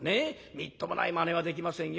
みっともないまねはできませんよ。